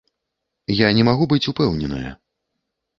Я не магу быць упэўненая.